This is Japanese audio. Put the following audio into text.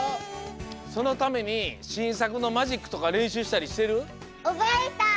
そのためにしんさくのマジックとかれんしゅうしたりしてる？